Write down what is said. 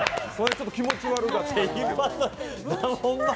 ちょっと気持ち悪かったな。